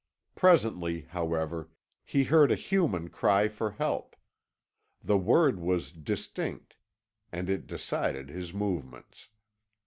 Presently, however, he heard a human cry for help; the word was distinct, and it decided his movements.